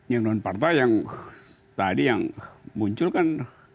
yang non partai yang tadi yang muncul kan